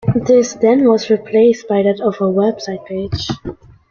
This then was replaced by that of a website page.